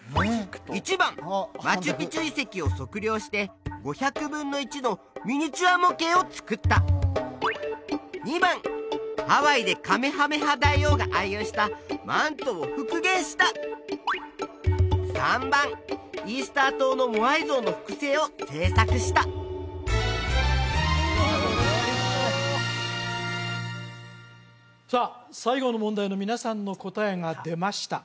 １番マチュピチュ遺跡を測量して５００分の１のミニチュア模型を作った２番ハワイでカメハメハ大王が愛用したマントを復元した３番イースター島のモアイ像の複製を制作したさあ最後の問題の皆さんの答えが出ました